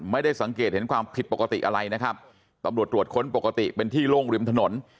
ไม่ได้สังเกตเห็นความผิดปกติอะไรนะครับตำรวจตรวจค้นปกติเป็นที่โล่งริมถนน